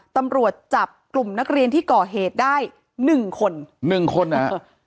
ตำรวจจับกลุ่มนักเรียนที่ก่อเหตุได้หนึ่งคนหนึ่งคนนะฮะ